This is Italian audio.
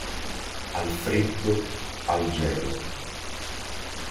Al freddo al gelo.